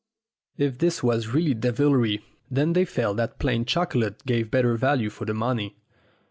If this was really devilry, then they felt that plain chocolate gave better value for the money.